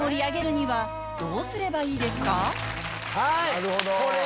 なるほど。